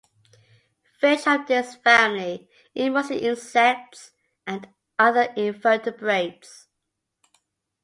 Fish of this family eat mostly insects and other invertebrates.